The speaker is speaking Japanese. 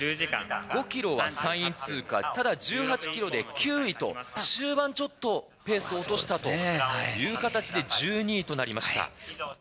５キロは３位通過、ただ１８キロで９位と、終盤ちょっとペースを落としたという形で、１２位となりました。